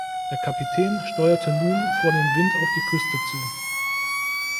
Der Kapitän steuerte nun vor dem Wind auf die Küste zu.